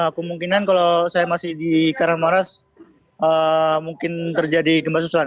kemungkinan kalau saya masih di karangwaras mungkin terjadi gempa susulan